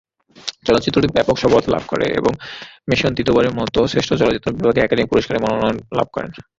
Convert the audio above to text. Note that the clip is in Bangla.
চলচ্চিত্রটি ব্যাপক সফলতা লাভ করে এবং মেসন তৃতীয়বারের মত শ্রেষ্ঠ অভিনেত্রী বিভাগে একাডেমি পুরস্কারের মনোনয়ন লাভ করেন।